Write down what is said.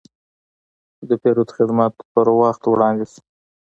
د پیرود خدمت په وخت وړاندې شو.